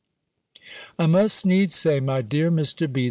I must needs say, my dear Mr. B.